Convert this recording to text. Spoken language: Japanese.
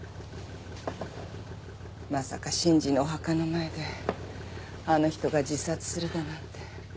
まさか真治のお墓の前であの人が自殺するだなんて。